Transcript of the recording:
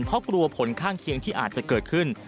เพราะกลัวผลข้างเคียงที่อาจจะเกิดขึ้น